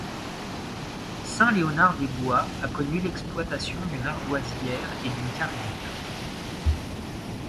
Saint-Léonard-des-Bois a connu l'exploitation d'une ardoisière et d'une carrière.